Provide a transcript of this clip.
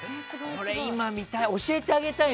これ、今見たい。